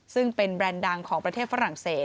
ซึ่งเป็นแบรนด์ดังของประเทศฝรั่งเศส